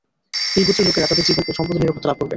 এই গোত্রের লোকেরা তাদের জীবন ও সম্পদের নিরাপত্তা লাভ করবে।